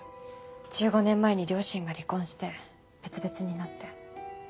１５年前に両親が離婚して別々になって。